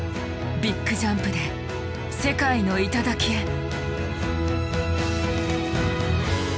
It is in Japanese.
ビッグジャンプで世界の頂へ！